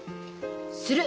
する。